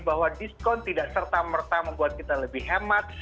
bahwa diskon tidak serta merta membuat kita lebih hemat